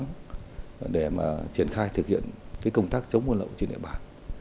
nhiều khó khăn để mà triển khai thực hiện công tác chống nguồn lậu trên địa bàn